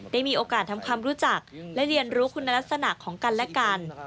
ได้มีโอกาสทำความรู้จักและเรียนรู้คุณลักษณะของกันและกัน